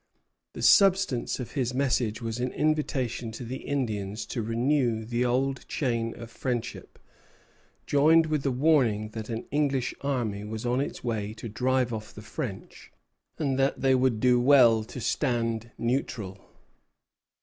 The substance of his message was an invitation to the Indians to renew the old chain of friendship, joined with a warning that an English army was on its way to drive off the French, and that they would do well to stand neutral.